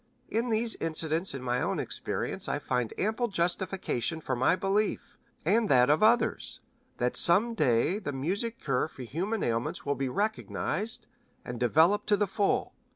In these incidents in my own experience I find ample justification for my belief, and that of others, that some day the music cure for human ailments will be recognized and developed to the full.